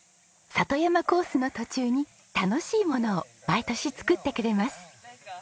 里山コースの途中に楽しいものを毎年作ってくれます。